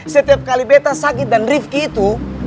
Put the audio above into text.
setiap kali beta sakit dan rifki itu